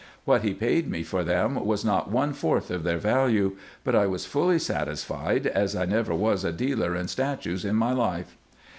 What he paid me for them was not one fourth of their value ; but I was fully satisfied, as I never was a dealer in statues in my life.